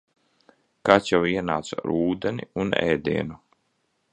Kāds jau ienāca ar ūdeni un ēdienu.